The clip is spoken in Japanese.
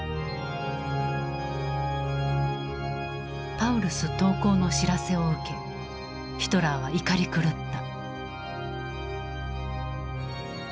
パウルス投降の知らせを受けヒトラーは怒り狂った。